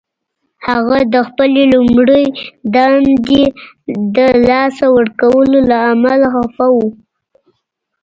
هغه د خپلې لومړۍ دندې د لاسه ورکولو له امله خفه و